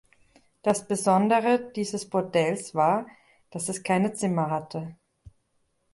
Das Besondere dieses Bordells war, dass es keine Zimmer hatte.